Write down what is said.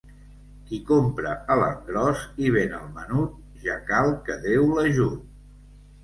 Qui compra a l'engròs i ven al menut, ja cal que Déu l'ajut.